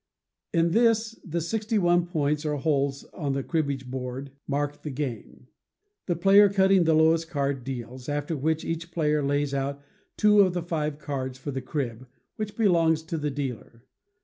In this the sixty one points or holes on the cribbage board mark the game. The player cutting the lowest card deals; after which, each player lays out two of the five cards for the crib, which belongs to the dealer.